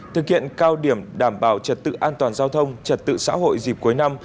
thực hiện cao điểm đảm bảo trật tự an toàn giao thông trật tự xã hội dịp cuối năm